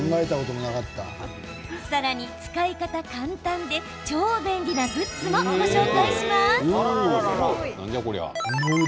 さらに使い方簡単で超便利なグッズもご紹介します。